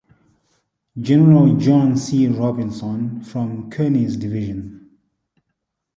General John C. Robinson from Kearny's division.